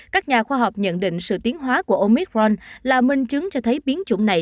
các nhà khoa học nhận định sự tiến hóa của omikron là minh chứng cho thấy biến chủng này